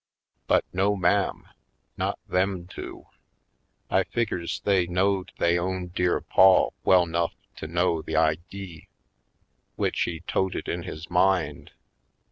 But no, ma'am, not them two! I figgers they knowed they own dear paw well 'nufif to know the idee w'ich he toted in his mind.